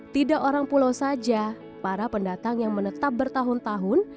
tidak orang pulau saja para pendatang yang menetap bertahun tahun